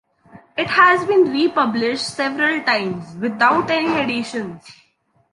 It has been republished several times, without any additions.